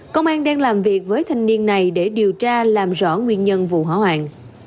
công an đang làm việc với thanh niên này để điều tra làm rõ nguyên nhân vụ hỏa hoạn